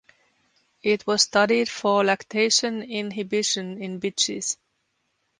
It was studied for lactation inhibition in bitches.